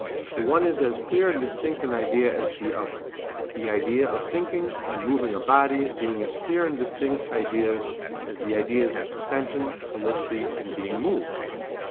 The one is as clear and distinct an idea as the other: the idea of thinking, and moving a body, being as clear and distinct ideas as the ideas of extension, solidity, and being moved.